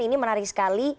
ini menarik sekali